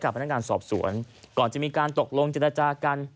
พนักงานสอบสวนก่อนจะมีการตกลงเจรจากัน